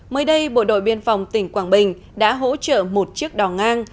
mới đây bộ đội biên phòng tỉnh quảng bình đã hỗ trợ một chiếc đò ngang